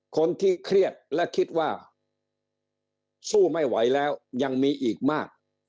คนที่เครียดและคิดว่าสู้ไม่ไหวแล้วยังมีอีกมาก